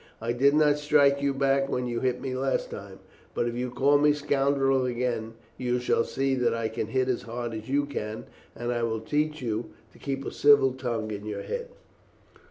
I did not strike you back when you hit me last time, but if you call me scoundrel again you shall see that I can hit as hard as you can, and I will teach you to keep a civil tongue in your head."